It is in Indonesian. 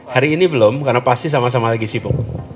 hari ini belum karena pasti sama sama lagi sibuk